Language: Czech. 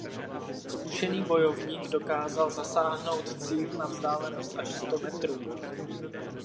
Zkušený bojovník dokázal zasáhnout cíl na vzdálenost až sto metrů.